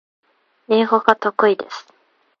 英語が得意です